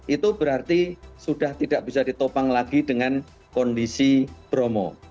itu berarti sudah tidak bisa ditopang lagi dengan kondisi bromo